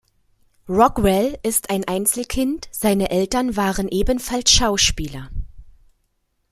Rockwell ist ein Einzelkind, seine Eltern waren ebenfalls Schauspieler.